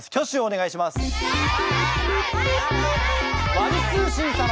ワル通信様。